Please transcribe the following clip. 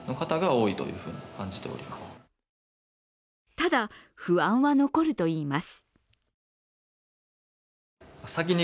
ただ、不安は残るといいます。